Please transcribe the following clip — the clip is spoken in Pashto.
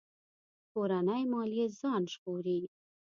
کورنۍ ماليې ځان ژغوري.